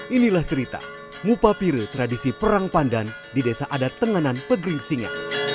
inilah cerita mupapire tradisi perang pandan di desa adat tenganan pegering singa